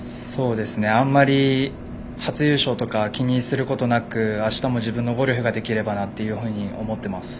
あんまり初優勝とかは気にすることなくあしたも自分のゴルフができればなと思っています。